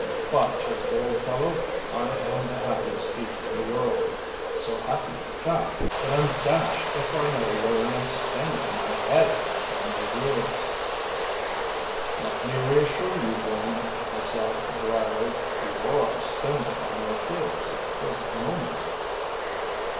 By Jove, old fellow, I am the happiest being in the world! So happy, in fact, that I'm dashed if I know whether I am standing on my head or my heels!" "Let me reassure you then," I said dryly. "You are standing on your heels at the present moment."